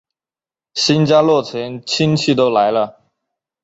新家落成亲戚都来了